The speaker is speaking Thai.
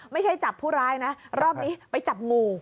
ไม่ใช่จับผู้ร้ายนะรอบนี้ไปจับงู